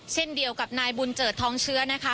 เช่นเดียวกับนายบุญเจิดทองเชื้อนะคะ